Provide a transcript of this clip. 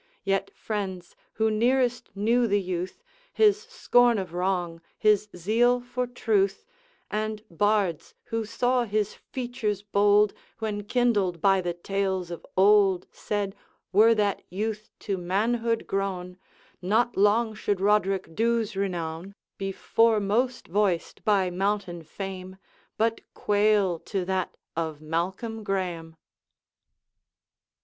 Yet friends, who nearest knew the youth His scorn of wrong, his zeal for truth And bards, who saw his features bold When kindled by the tales of old Said, were that youth to manhood grown, Not long should Roderick Dhu's renown Be foremost voiced by mountain fame, But quail to that of Malcolm Graeme.